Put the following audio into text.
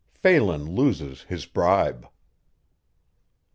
PHELAN LOSES HIS BRIBE.